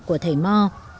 của thầy mò